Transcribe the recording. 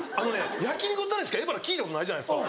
焼き肉のタレでしか「エバラ」聞いたことないじゃないですか。